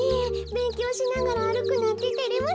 べんきょうしながらあるくなんててれますね。